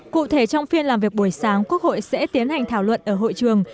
cụ thể trong phiên làm việc buổi sáng quốc hội sẽ tiến hành thảo luận ở hội trường